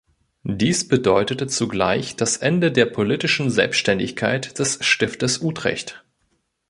Dies bedeutete zugleich das Ende der politischen Selbstständigkeit des Stiftes Utrecht.